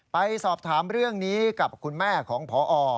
ไปสอบถามเรื่องนี้กับคุณแม่ของพอ